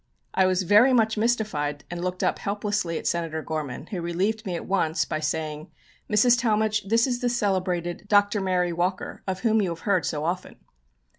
I was very much mystified and looked up helplessly at Senator Gorman, who relieved me at once by saying, "Mrs. Talmage, this is the celebrated Dr. Mary Walker, of whom you have heard so often."